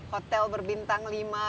hotel berbintang lima